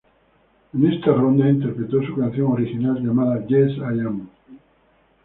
En esta ronda, interpretó su canción original llamada "Yes I Am".